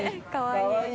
かわいい。